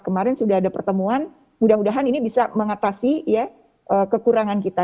kemarin sudah ada pertemuan mudah mudahan ini bisa mengatasi kekurangan kita